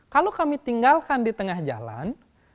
kalau kami tinggalkan di tengah jalan